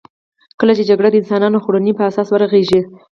کله چې جګړه د انسان خوړنې په اساس ورغېږې.